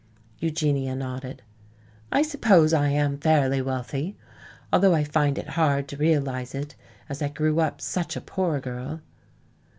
Eugenia nodded. "I suppose I am fairly wealthy, although I find it hard to realize it, as I grew up such a poor girl."